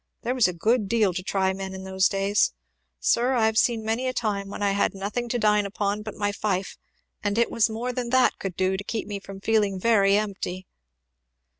There was a good deal to try men in those days. Sir, I have seen many a time when I had nothing to dine upon but my fife, and it was more than that could do to keep me from feeling very empty!"